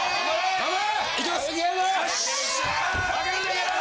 頑張れ！